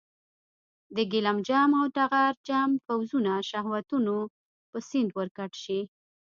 د ګیلم جم او ټغر جم پوځونه شهوتونو په سیند ورګډ شي.